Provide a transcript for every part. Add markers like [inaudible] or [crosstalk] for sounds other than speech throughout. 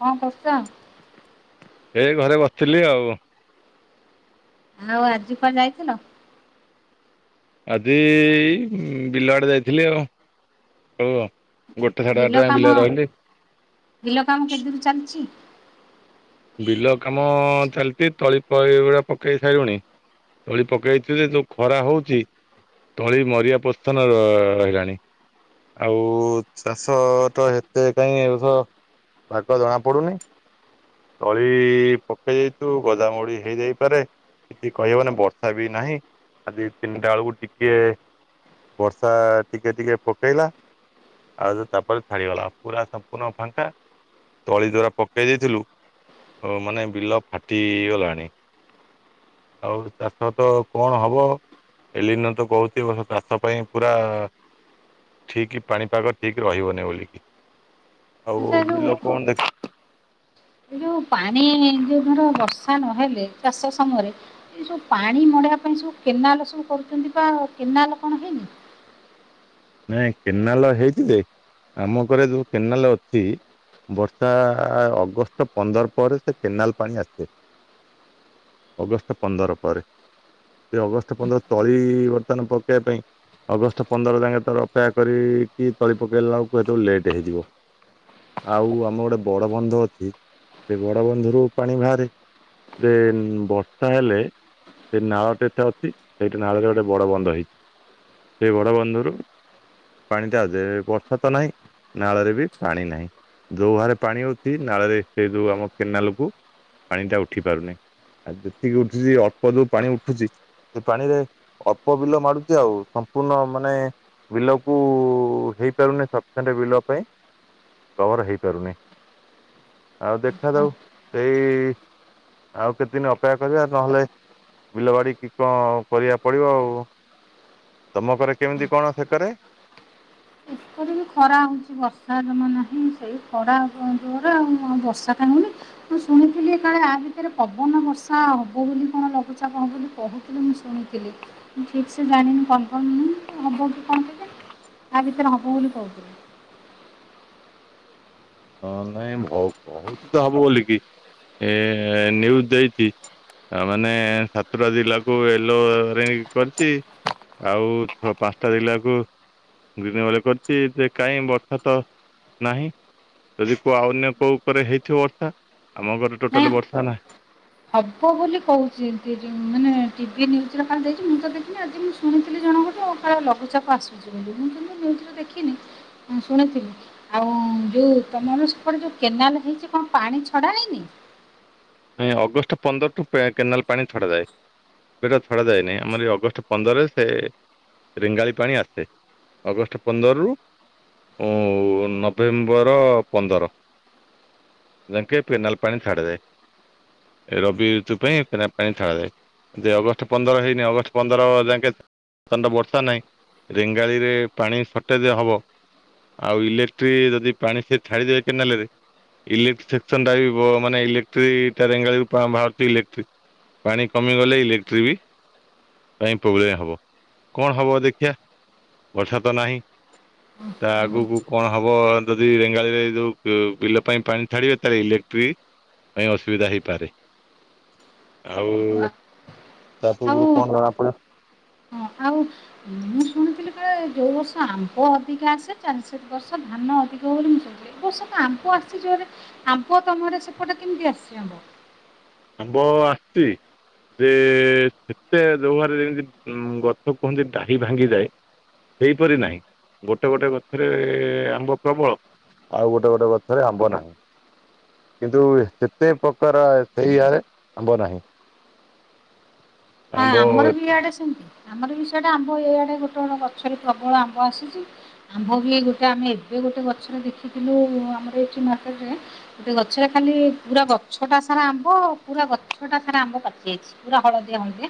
ହଁ [unintelligible] ଏଇ ଘରେ ବସିଥିଲି ଆଉ। ଆଉ ଆଜି କୁଆ ଯାଇଥିଲ? ଆଜି ବିଲୁଆଡ଼େ ଯାଇଥିଲି ଆଉ କଳ ଆଉ। ଗୋଟେ ସାଢେ ଆଠଟା ବିଲ ଯାଏଁ କାମ ବିଲରେ ରହିଲି। ବିଲ କାମ କେତେ ଦୂରୁ ଚାଲିଚି? ବିଲ କାମ ଚାଲିଚି ତଳି ପଗୁଡ଼ା ପକେଇ ସାରିଲୁଣି ତଳି ପକେଇଥିଲେ ଯୋଉ ଖରା ହଉଚି ତଳି ମରିିବା ପ୍ରସ୍ଥାନ ର ଆଇଲାଣି। ଆଉ ଚାଷତ ହେତେ କାହିଁ ଏବଷ ଭାଗ ଜଣାପଡ଼ୁନି ତଳି ପକେଇ ଦେଇଥିବୁ ଗଜାମରୁଡି ହେଇଯାଇପାରେ। କିଛି କହି ହବନି ନା ବର୍ଷା ବି ନାହିଁ ଆଜି ତିନିଟା ବେଳକୁ ଟିକେ ବର୍ଷା ଟିକେ ଟିକେ ପକେଇଲା। ଆଉ ତାପରେ ଛାଡିଗଲା ପୁରା ସମ୍ପୂର୍ଣ୍ଣ ଫାଙ୍କା ତଳି ଦ୍ଵାରା ପକେଇ ଦେଇଥିଲୁ ଓ ମାନେ ବିଲ ଫାଟି ଗଲାଣି। ଆଉ ଚାଷ ତ କଣ ହବ। ଏଲିନ ତ କହୁଚି ବର୍ ଚାଷ ପାଇଁ ପୁରା ଠିକ ପାଣିପାଗ ଠିକ ରହିବନି ବୋଲିକି। ଆଉ ଆଚ୍ଛା ଏ ଯୋଉ ବିଲ କଣ ଦେଖ ଏ ଯୋଉ ପାଣି ଯୋଉ ଧର ବର୍ଷା ନହେଲେ ଚାଷ ସମୟରେ ଏ ଯେଉଁ ପାଣି ମଡ଼େଇବା ପାଇଁ ସବୁ କେନାଲ ସବୁ କରୁଚନ୍ତି ବା କେନାଲ କଣ ହେଇନି? ନାଇଁ କେନାଲ ହେଇଚି ଜେ ଆମ ଘରେ ଯୋଉ କେନାଲ ଅଛି ବର୍ଷା ଅଗଷ୍ଟ ପନ୍ଦର ପରେ ସେ କେନାଲ ପାଣି ଆସେ। ଅଗଷ୍ଟ ପନ୍ଦର ପରେ। ସେ ଅଗଷ୍ଟ ପନ୍ଦର ତଳି ବର୍ତ୍ତମାନ ପକେଇବା ପାଇଁ ଅଗଷ୍ଟ ପନ୍ଦର ଯାଙ୍କେ ତ ଅପେକ୍ଷା କରିକି ତଳି ପକେଇଲା ବେଳକୁ ହେତେବେଳେ ଲେଟ୍ ହେଇଯିବ। ଆଉ ଆମ ଗୋଟେ ବଡ ବନ୍ଧ ଅଛି ସେ ବଡ ବନ୍ଧରୁ ପାଣି ବାହାରେ। ଦେନ୍ ବର୍ଷା ହେଲେ ସେଇ ନାଳଟେ ଏତେ ଅଛି ସେଇଠି ନାଳରେ ଗୋଟେ ବଡ ବନ୍ଧ ହେଇଚି ସେଇ ବଡ ବନ୍ଧରୁ ପାଣିଟା ଯେ ବର୍ଷା ତ ନାହିଁ ନାଳରେ ବି ପାଣି ନାହିଁ। ଯୋଉ ଭହାରେ ପାଣି ହଉଛି ନାଳରେ ସେ ଯୋଉ ଆମ କେନାଲକୁ ପାଣି ଟା ଉଠି ପାରୁନି। ଆଉ ଯେତିକି ଉଠୁଚି ଅଳ୍ପ ଯୋଉ ପାଣି ଉଠୁଚି ସେ ପାଣିରେ ଅଳ୍ପ ବିଲ ମାଡୁଚି ଆଉ ସମ୍ପୂର୍ଣ୍ଣ ମାନେ ବିଲକୁ ହେଇପାରୁନି ସପିସେଣ୍ଟ୍ ବିଲ ପାଇଁ। କଭର ହେଇପାରୁନି ଆଉ ଦେଖା ଯାଉ ସେଇ ଆଉ କେତେଦିନି ଅପେକ୍ଷା କରିବା ନହେଲେ ବିଲ ବାଡି କି କଣ କରିବାକୁ ପଡିବ ଆଉ ତମ ଘରେ କେମିତି କଣ କିଏ କରେ? ଏଇଠି ବି ଖରା ହୋଉଚି ବର୍ଷା ଜମା ନାହିଁ ସେଇ ଖରା ଜୋରରେ ଆଉ ବର୍ଷା କାଇଁ ହଉନି। ମୁଁ ଶୁଣିଥିଲି କାଳେ ଆ ଭିତରେ ପବନ ବର୍ଷା ହବ ବୋଲି କଣ ଲଘୁଚାପ ହବ ବୋଲି କହୁ ମୁଁ ଶୁଣିଥିଲି ଠିକ୍ ସେ ଜାଣିନି କନଫର୍ମ ନାହିଁ ହବ କି କଣ କେଜାଣି? ଆ ଭିତରେ ହବ ବୋଲି କହୁଥିଲେ। ହଁ ନାଇଁ କହୁ କହୁଛି ତ ହବ ବୋଲିକି ଏ ନିଉଜ୍ ଦେଇଚି। ଆ ମାନେ ସାତୁଟା ଜିଲ୍ଲାକୁ ଏଲୋ ୱାର୍ଣିଂ କରିଚି। ଆଉ ଛ ପାଷାଁଟା ଜିଲ୍ଲାକୁ ଗ୍ରୀନେ୍ [unintelligible] କରିଚି ଯେ କାହିଁ ବର୍ଷା ତ ନାହିଁ। ଯଦି କୋଉ ଅନ୍ୟ କୋଉ ଉପରେ ହେଇଥିବ ବର୍ଷା ଆମ ଘରେ ନାଇଁ ଟୋଟାଲ ବର୍ଷା ନାହିଁ। ହବ ବୋଲି କହୁଛି ମାନେ ଟିଭି ନ୍ୟୁଜରେ ଦେଇଛି ମୁଁ ତ ଦେଖିନି ଆଜି ଶୁଣିଥିଲି ଜଣଙ୍କଠୁ କାଳେ ଲଘୁଚାପ ଆସୁଛି ବୋଲି ମୁଁ କିନ୍ତୁ ନ୍ୟୁଜରେ ଦେଖିନି ଶୁଣିଥିଲି। ଆଉ ଯୋଉ ତମର ସେପଟେ ଯେଉଁ କେନାଲ ହେଇଛି କଣ ପାଣି ଛଡ଼ା ହେଇନି। ନାଇଁ ଅଗଷ୍ଟ ପନ୍ଦରଠୁ ପ୍ରାୟେ କେନାଲ ପାଣି ଛଡାଯାଏ। ଏବେ ତ ଛଡା ଯାଏନି ଆମର ଏଇ ଅଗଷ୍ଟ ପନ୍ଦରେ ସେ ରେଙ୍ଗାଳି ପାଣି ଆସେ ଅଗଷ୍ଟ ପନ୍ଦରରୁ। ଉଁ ଆଉ ନଭେମ୍ବର ପନ୍ଦର। ଯାଙ୍କେ ପେନାଲ ପାଣି ଛାଡାଯାଏ। ରବି ଋତୁ ପାଇଁ ପାଣି ଛାଡାଯାଏ। ଯେ ଅଗଷ୍ଟ ପନ୍ଦର ହେଇନି ଅଗଷ୍ଟ ପନ୍ଦର ଯାଙ୍କେ। ତାଏନ୍ତ ବର୍ଷା ନାହିଁ ରେଙ୍ଗାଳିରେ ପାଣି ସର୍ଟେଜ ହବ। ଆଉ ଇଲେକ୍ଟ୍ରି ଯଦି ପାଣି ସେ ଛାଡିଦେବେ କେନାଲରେ। ଇଲେକ୍ଟ୍ରି ସେକ୍ସନଟା ବି ବ ମାନେ ଇଲେକ୍ଟ୍ରି ରେଙ୍ଗାଳିରୁ ପା ବାହାରୁଛି ଇଲେକ୍ଟ୍ରିକ ପାଣି କମିଗଲେ ଇଲେକ୍ଟ୍ରି ବି ପାଇଁ ପ୍ରୋବ୍ଲେମ୍ ହବ। କଣ ହବ ଦେଖିିଆ ବର୍ଷା ତ ନାହିଁ। ହୁଁ [unintelligible] ତା ଆଗକୁ କଣ ହବ ଯଦି ରେଙ୍ଗାଳିରେ ଯୋଉ ବି-ବିଲ ପାଇଁ ପାଣି ଛାଡିବେ ତାହେଲେ ଇଲେକ୍ଟ୍ରି [unintelligible] ଅସୁବିଧା ହେଇପାରେ ଆଉ ତା ପୂର୍ବରୁ କଣ ଜଣା ପଡିବ। ହାଉସ ମୁଁ ଶୁଣିଥିଲି କାଳେ ଯୋଉ ବର୍ଷ ଆମ୍ବ ଅଧିକା ଆସେ [unintelligible] ସେ ବର୍ଷ ଧାନ ଅଧିକ ବୋଲି ମୁଁ ଶୁଣିଥିଲି। ଏ ବର୍ଷ ତ ଆମ୍ବ ଆସିଛି ଜୋରରେ ଆମ୍ବ ତମର ସେପଟେ କେମିତି ଆସିଛି ଆମ୍ବ? ଆମ୍ବ ଆସିଛି।। ଯେ ସେତେ ଯୋଉ ହାରରେ ଯେମିତି ଗଛ କୁହନ୍ତି ଡାହି ଭାଙ୍ଗିଯାଏ ସେଇପରି ନାହିଁ ଗୋଟେ ଗୋଟେ ଗଛରେ ଆମ୍ବ ପ୍ରବଳ ଆଉ ଗୋଟେ ଗୋଟେ ଗଛରେ ଆମ୍ବ ନାହିଁ କିନ୍ତୁ ସେତେ ପ୍ରକାର ଏଇ ଆଡେ ଆମ୍ବ ନାହିଁ। ହଁ ଆମ୍ବ ଆମର ବି ଇଆଡେ ସେମିତି। ଆମର ବି ସିଆଡ଼େ ଆମ୍ବ। ଏଆଡ଼େ ଗୋଟେ ଗୋଟେ ଗଛରେ ପ୍ରବଳ ଆମ୍ବ ଆସିଛି। ଆମ୍ବ ବି ଗୋଟେ ଆମେ ଏବେ ଗୋଟେ ଗଛରେ ଦେଖିଥିଲୁ ଆମର ଏଇଠି ମାର୍କେଟରେ। ଗୋଟେ ଗଛରେ ଖାଲି ପୁରା ଗଛଟା ସାରା ଆମ୍ବ ପୁରା ଗଛଟା ସାରା ଆମ୍ବ ପାଚି ଯାଇଛି। ପୁରା ହଳଦିଆ, ହଳଦିଆ।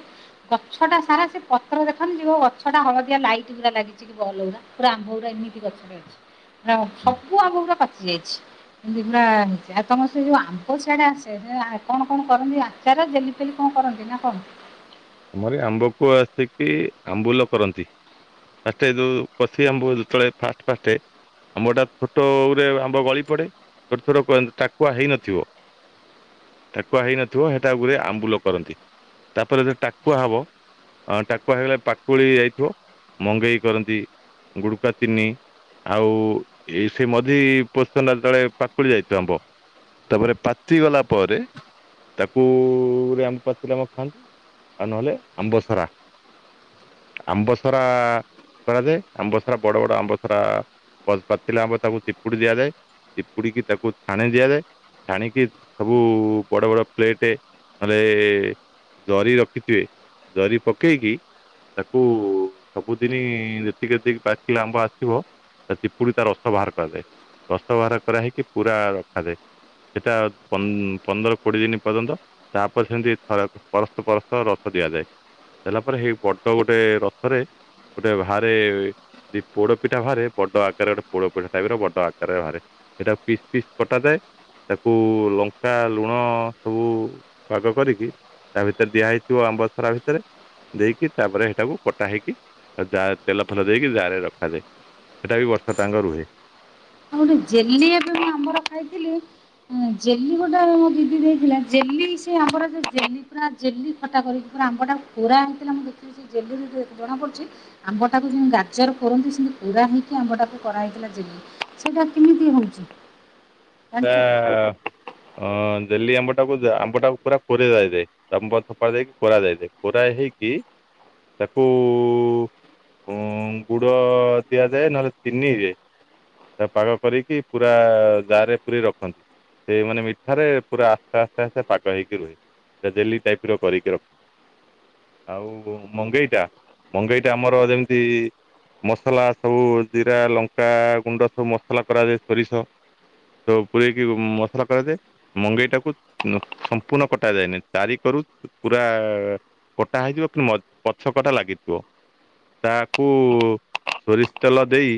ଗଛଟା ସାରା ସେ ପତ୍ର ଦେଖାଯାଉନି। ଯେ କହିବ ଗଛଟା ହଳଦିଆ ଲାଇଟ୍ ପୁରା ଲାଗିଛି। ବଲ ଗୁରା। ପୁରା ଆମ୍ବ ଗୁରା ଏମିତି ଗଛରେ ଅଛି। ମାନେ ସବୁ ଆମ୍ବ ଗୁରା ପାଚି ଯାଇଛି। ଦିନେ ଆଣିଚି। ଆଉ ତମର ସେ ଯୋଉ ଆମ୍ବ ସିଆଡେ ଆସେ କଣ କଣ କରନ୍ତି ଆ ଆଚାର, ଜେଲି ଫେଲି କଣ କରନ୍ତି ନା କଣ? ଆମରି ଆମ୍ବକୁ ଆସିକି ଆମ୍ବୁଲ କରନ୍ତି। ଫାଷ୍ଟେ ଯୋଉ କଷି ଆମ୍ବ ଯେତବେଳେ ଫାଷ୍ଟ ଫାଷ୍ଟେ। ଆମ୍ବଟା ଛୋଟରେ ଆମ୍ବ ଗଳି ପଡ଼େ। ଛୋଟ ଛୋଟ କ ଟାକୁଆ ହେଇନଥିବ। ଟାକୁଆ ହେଇନଥିବ ହେଟା ଗୁରେ ଆମ୍ବୁଲ କରନ୍ତି। ତାପରେ ଯୋଉ ଟାକୁଆ ହବ ଅଁ ଟାକୁଆ ହେଇଗଲେ ପାକୁଳି ଯାଇଥିବ। ମଙ୍ଗେଇ କରନ୍ତି ଗୁଡ଼ୁକା ଚିନି। ଆଉ ଏଇ ସେ ମଝି ପୋଜିସନ ଯେତେଏଳେ ପାକୁଳି ଯାଇଥିବ ଆମ୍ବ ତାପରେ ପାଚି ଗଲା ପରେ ତାକୁ ଆମ୍ବ ପାଚିଲା ଆମ୍ବ ଖାଆନ୍ତି। ଆଉ ନହେଲେ ଆମ୍ବସରା। ଆମ୍ବସରା କରାଯାଏ। ଆମ୍ବ ସରା ବଡ ବଡ ଆମ୍ବ ସରା ପଚ ପାଚିଲା ଆମ୍ବ ତାକୁ ଚିପୁଡ଼ି ଦିଆଯାଏ। ଚିପୁଡିକିକି ତାକୁ ଛାଣେ ଦିଆଯାଏ। ଛାଣିକି ସବୁ ବଡ଼ ବଡ଼ ପ୍ଲେଟ ନହେଲେ ଜରି ର ରଖିଥିବେ। ଜରି ପକେଇକି ତାକୁ ସବୁଦିନି ଯେତିକି ଯେତିକି ପାକିଲା ଆମ୍ବ ଆସିବ ତା ଚିପୁଡ଼ି ତା ରସ ବାହାର କରାଯାଏ ରସ ବାହାର କରା ହେଇକି ପୁରା ରଖାଯାଏ। ସେଇଟା ପନ୍ଦ ପନ୍ଦର କୋଡ଼ିଏ ଦିନି ପର୍ଯ୍ୟନ୍ତ। ତାପରେ ସେମିତି ପରସ୍ତ ପରସ୍ତ। ତ ରସ ଦିଆଯାଏ। ଦେଲା ପରେ ହେଇ ବଡ ଗୋଟେ ରସରେ ଗୋଟେ ବାହାରେ ପୋଡ ପିଠା ବାହାରେ ବଡ ଆକାରରେ ଗୋଟେ ପୋଡ ପିଠା ଟାଇପ୍ ର ବଡ ଆକାରରେ ବାହାରେ। ହେଟାକୁ ପିସ୍ ପିସ୍ କଟା ଯାଏ। ତାକୁ ଲଙ୍କା, ଲୁଣ ସବୁ ପାଗ କରିକି ତା ଭିତରେ ଦିଆହେଇ ଥିବ ଆମ୍ବସରା ଭିତରେ। ଦେଇକି ତାପରେ ହେଟାକୁ କଟା ହେଇକି ଜା ତେଲ ଫେଲ ଦେଇକି ଜାର ରେ ରଖାଯାଏ। ହେଟା ବି ବର୍ଷଟାଆଁକ ରୁହେ। ଆଉ ଗୋଟେ ଜେଲି ଏବେ ମୁଁ ଆମ୍ବର ଖାଇଥିଲି, ଜେଲି ଗୋଟେ ମୋ ଦି ଦି ଦେଇଥିଲା, ଜେଲି ସେ ଆମ୍ବର ଯୋଉ ଜେଲି ପୁରା ଜେଲି ଖଟା କରିକି ପୁରା ଆମ୍ବଟାକୁ କୋରା ହେଇଥିଲା ମୁଁ ଦେଖିଲି ସେ ଜେଲିରୁ ଏତେ ଜଣାପଡ଼ିଛି ଆମ୍ବଟାକୁ ଯେମ୍ ଗାଜର କୋରନ୍ତି ସେମିତି କୋରା ହେଇକି ଆମ୍ବ ଟାକୁ କରାହେଇଥିଲା ଯେଲି। ସେଇଟା କିିମିତି ହଉଛି? ତା ଜାଣିଛ କି? ଆ ଜେଲି ଆମ୍ବଟାକୁ ଆମ୍ବଟାକୁ ପୁରା କୋରା ଯାଇଥାଏ। ଲମ୍ବ ଥୋପା ଦେଇକି କୋରା ଯାଇଥାଏ। କୋରା ହେଇକି ତାକୁ ଉଁ ଗୁଡ ଦିଆଯାଏ। ନହେଲେ ଚିନିରେ ତାକୁ ପାଗ କରିକି ପୁରା ଜାରେ ପୁରେଇ ରଖନ୍ତି। ସେଇ ମାନେ ମିଠାରେ ପୁରା ଆସ୍ତେ ଆସ୍ତେ ଆସ୍ତେ ପାଗ ହେଇକି ରୁହେ। ସେଟା ଜେଲି ଟାଇପ ର କରିକି ରଖ ଆଉ ମଙ୍ଗେଇଟା? ମଙ୍ଗେଇଟା ଆମର ଯେମିତି ମସଲା ସବୁ ଜିରା, ଲଙ୍କା ଗୁଣ୍ଡ ସବୁ ମସଲା କରାଯାଏ ସୋରିଷ ସବୁ ପୁରଇକି ମସଲା କରାଯାଏ। ମଙ୍ଗେଇ ଟାକୁ ସମ୍ପୂର୍ଣ୍ଣ କଟା ଯାଏନି ତାରିଖ ରୁ। ପୁରା କଟା ହେଇଯିବ କିନ୍ତୁ ମ ପଛପଟା ଲାଗିଥିବ।। ତାକୁ ସୋରିଷ ତେଲ ଦେଇ।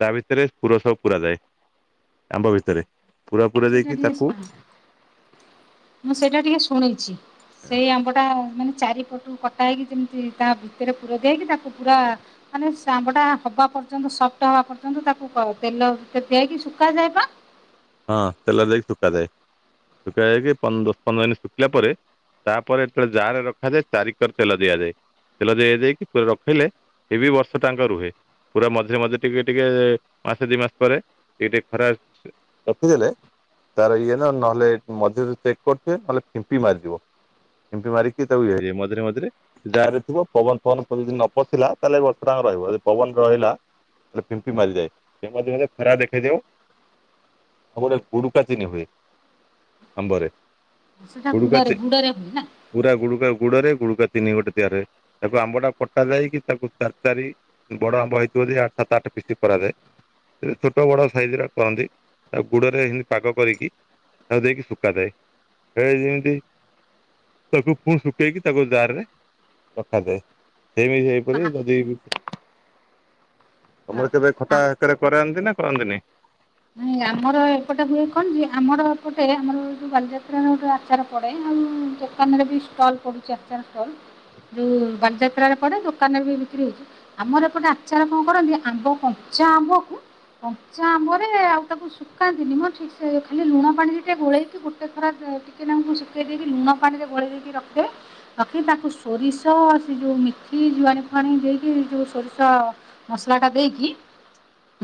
ତା ଭିତରେ ପୁର ସବୁ ପୁର ଯାଏ ଆମ୍ବ ଭିତରେ ପୁର ମୁଁ ସେଇଟା ପୁରାଯାଇକି ଟିକେ ତାକୁ ମୁଁ ସେଇଟା ଟିକେ ଶୁଣିଛି ସେଇ ଆମ୍ବ ଟା ମାନେ ଚାରିପଟୁ କଟାହେଇକି ଯେମିତି ତା ଭିତରେ ପୁର ଦିଆ ହେଇକି ତାକୁ ପୁରା ମାନେ ସେ ଆମ୍ବ ଟା ହବା ପର୍ଯ୍ୟନ୍ତ ସଫ୍ଟ ହବା ପର୍ଯ୍ୟନ୍ତ ତାକୁ କ ତେଲ ଦେଇକି ଶୁକା ଯାଏପା। ହଁ ତେଲ ଦେଇକି ଶୁକାଯାଏ ଶୁକା ଯାଇକି ପନ ଦଶ ପନ୍ଦର ମିନିଟ୍ ଶୁଖିଲା ପରେ ତାପରେ ଯେତେଳେ ଜାର ରଖାଯାଏ ଚାରିିକର ତେଲ ଦିଆଯାଏ। ତେଲ ଦିଆଜାଇକି ରଖିଲେ ସେ ବି ବର୍ଷ ଟାଙ୍କ ରୁହେ। ପୁରା ମଝିରେ ମଝିରେ ଟିକେ ଟିକେ ଏ ମାସେ ଦି ମାସ ପରେ ଟିକେ ଟିକେ ଖରା ରଖିଦେଲେ ତାର ଇଏ ନା ନହେଲେ ମଝିରେ ଚେକ୍ କରୁଥୁବେ ନହେଲେ ଫିମ୍ପି ମାରିଯିବ। ଫିମ୍ପି ମାରିକି ତାକୁ ଇଏ ଏ ମଝିରେ ମଝିରେ ଜାରେ ଥିବ ପବନ ପବନ ଯଦି ନ ପସିଲା ତାହେଲେ ବର୍ଷଟାଙ୍କ ରହିବ ଯଦି ପବନ ରହିଲା। ରେ ପିମ୍ପି ମାରି ଯାଏ [unintelligible] ଖରା ଦେଖେଇଦିଅ। ତା ଗୋଟେ ଗୁଡୁକା ଚିନି ହୁଏ ଆମ୍ବରେ। ସେଟା ଗୁଡୁକା ଚି ଗୁଡ଼ରେ ଗୁଡ଼ରେ ହଏ ନା। ପୁରା ଗୁଡୁକା ଗୁଡରେ ଗୁଡୁକା ଚିନି ଗୋଟେ ତିଆରି ହୁଏ ତାକୁ ଆମ୍ବ ଟା କଟା ଯାଇକି ତାକୁ ଚାରି ଚାରି ବଡ ଆମ୍ବ ହେଇଥିବ ଯଦି ଆଠ ସାତ ଆଠ ପିସ୍ କରାଯାଏ। ସେ ଛୋଟ ବଡ ସାଇଜର କରନ୍ତି। ତାକୁ ଗୁଡରେ ହେମିତି ପାଗ କରିକି ତାକୁ ଦେଇକି ଶୁକାଯାଏ ହେ ଏମିତି। ତାକୁ ପୁଣି ଶୁଖେଇକି ତାକୁ ଜାର ରେ ରଖାଯାଏ। ସେମି ଏଇପରି ଯଦି ଆ ତମର କେବେ ଆ ଖଟା ହେକରେ କରାନ୍ତି ନା କରନ୍ତିନି। ନାଇଁ ଆମର ଏପଟେ ହୁଏ କଣ କି ଆମର ଏପଟେ ଆମର ଯଉ ବାଲିଯାତ୍ରାର ଗୋଟେ ଆଚାର ପଡେ ଆଉ ଦୋକାନରେ ବି ଷ୍ଟଲ୍ ପଡ଼ୁଛି ଆାଚାର ଷ୍ଟଲ୍ ଯଉ ବଲିଯାତ୍ରାରେ ପଡ଼େ ଦୋକାନରେ ବି ବିକ୍ରି ହଉଛି। ଆମର ଏପଟେ ଆଚାର କଣ କରନ୍ତି ଆମ୍ବ କଞ୍ଚା ଆମ୍ବକୁ କଞ୍ଚା ଆମ୍ବରେ ଆଉ ତାକୁ ସୁ ସୁକାନ୍ତିିନି ମ ଠିକ ସେ ଖାଲି ଲୁଣ ପାଣିରେ ଟିକେ ଗୋଳେଇକି ଗୋଟେ ଖରା ଟିକେନାଙ୍କୁ କୁ ଶୁକେଇ ଦେଇକି ଲୁଣ ପାଣିରେ ଗୋଳେଇ ଦେଇ କି ରଖି ଦେବେ। ରଖି ତାକୁ ସୋରିଷ ସେ ଯେଉ ମିଥି ଜୁଆଣି ଫୁଆଣି ଦେଇକି ଯଉ ସୋରିଷ ମସଲା ଟା ଦେଇକି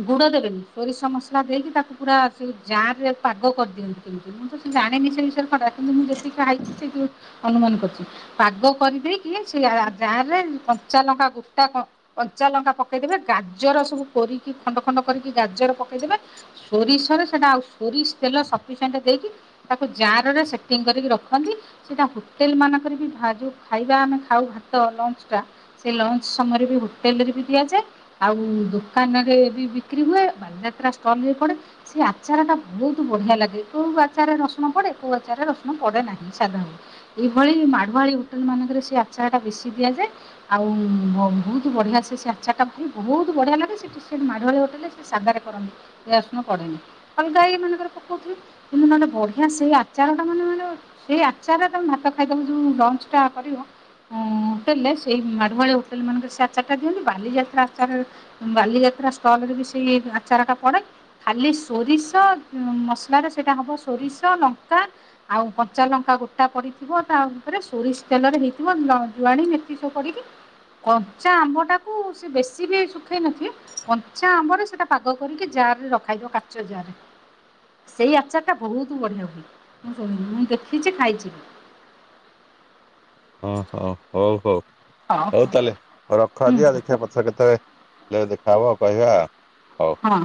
ଗୁଡ ଦେବେନି ସୋରିଷ ମସଲା ଦେଇକି ତାକୁ ପୁରା ସୁ ଜାରେ ପାଗ କରିଦିଅନ୍ତି କେମିତି ମୁଁ ତ ସେ ଜାଣେନି ସେ ବିଷୟରେ କରା କିନ୍ତୁ ମୁଁ ଯେତିକି ଖାଇ ସେଇଟୁ ଅନୁମାନ କରୁଚି। ପାଗ କରିଦେଇକି ସେ ଜାରେ କଞ୍ଚା ଲଙ୍କା ଗୋଟା କ କଞ୍ଚା ଲଙ୍କା ପକେଇଦେବେ ଗାଜର ସବୁ କୋରିକି ଖଣ୍ଡ ଖଣ୍ଡ କରିକି ଗାଜର ପକେଇଦେବେ। ସୋରିଷରେ ସେଟା ଆଉ ସୋରିଷ ତେଲ ସଫିସେଣ୍ଟ୍ ଦେଇକି। ତାକୁ ଜାରରେ ସେଟିଂ କରିକି ରଖନ୍ତି। ସେଇଟା ହୋଟେଲ ମାନଙ୍କରେ ବି ଭାରି ଖାଇବା ଆମେ ଖାଉ ଭାତ ଲଞ୍ଚଟା। ସେ ଲଞ୍ଚ ସମୟରେ ବି ହୋଟେଲରେ ବି ଦିଆଯାଏ। ଆଉ ଦୋକାନରେ ବି ବି ବିକ୍ରି ହୁଏ ବାଲିଯାତ୍ରା ଷ୍ଟଲରେ ପଡେ। ସେ ଆଚାରଟା ବହୁତ ବଢ଼ିଆ ଲାଗେ କଉ ଆଚାରରେ ରସୁଣ ପଡ଼େ କଉ ଆଚାରରେ ରସୁଣ ପଡ଼େ ନାହିଁ ସାଧା ହୁଏ। ଏଇଭଳି ମାଢୁଆଳି ହୋଟେଲ ମାନଙ୍କରେ ସେ ଆଚାର ଟା ବେଶି ଦିଆଯାଏ। ଆଉ ବହୁତ ବଢିଆ ସେ ସେ ଆଚାର ଟା ବହୁତ ବଢିଆ ଲାଗେ ସେଠୁ। ସେଠି ମାଢୁଆଳି ହୋଟେଲ୍ ରେ ସେ ସାଧାରେ କରନ୍ତି ପିଆଜ ରସୁଣ ପଡେନି ଅଲଗା ଇ ମାନଙ୍କରେ ପକଉଥୁବେ। ମୁଁ ମାନେ ବଢିଆ ସେଇ ଆଚାରଟା ମାନେ ମାନେ। ସେଇ ଆଚାର ଟା ତମେ ଭାତ ଖାଇଦବ, ଯୋଉ ଲଞ୍ଚ ଟା କରିବ ଅଁ ହୋଟେଲରେ ସେଇ ମାଢୁଆଳି ହୋଟେଲ ମାନଙ୍କରେ ସେ ଆଚାରଟା ଦିଅନ୍ତି। ବାଲିଯାତ୍ରା ଆଚାର ବାଲିଯାତ୍ରା ଷ୍ଟଲରେ ବି ସେଇ ଆଚାରଟା ପଡେ। ଖାଲି ସୋରିଷ ମସଲାରେ ସେଇଟା ହେବ ସୋରିଷ, ଲଙ୍କା ଆଉ କଞ୍ଚା ଲଙ୍କା ଗୋଟା ପଡିଥିବ ତା ଉପରେ। ସୋରିଷ ତେଲରେ ହେଇଥିବ ଜୁଆଣି, ମେଥି ସବୁ ପଡିକି। କଞ୍ଚା ଆମ୍ବଟାକୁ ସେ ବେଶୀ ବି ଶୁଖେଇ ନଥିବେ। କଞ୍ଚା ଆମ୍ବରେ ସେଟା ପାଗ କରିକି ଜାରରେ ରଖାହେଇଥିବ, କାଚ ଜାରରେ। ସେଇ ଆଚାରଟା ବହୁତ ବଢିଆ ହୁଏ। ମୁଁ ଶୁଣିଛି, ମୁଁ ଦେଖିଛି, ଖାଇଛି ବି। ଅ ହ ହଉ ହଉ ହଉ ତାହେଲେ, ହଉ ରଖ ଆଜି ଆଉ ହୁଁ ଦେଖିଆ ପ ଛରେ କେତେବେଳେ ଦେଖାହବ କହିବା ଆଉ। ହଁ।